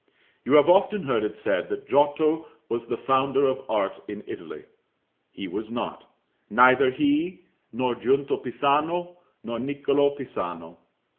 You have often heard it said that Giotto was the founder of art in Italy. He was not: neither he, nor Giunta Pisano, nor Niccolo Pisano.